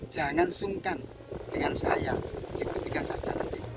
jangan sungkan dengan saya dibuktikan saja